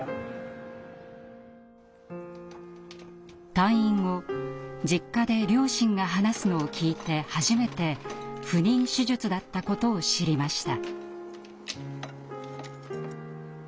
退院後実家で両親が話すのを聞いて初めて不妊手術だったことを知りました。